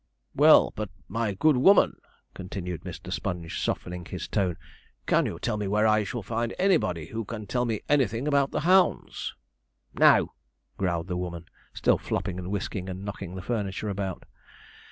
'Well, but, my good woman,' continued Mr. Sponge, softening his tone, 'can you tell me where I shall find anybody who can tell me anything about the hounds?' 'No,' growled the woman, still flopping, and whisking, and knocking the furniture about.